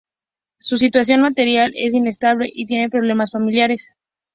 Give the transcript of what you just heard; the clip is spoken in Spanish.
Su situación material es inestable y tiene problemas familiares.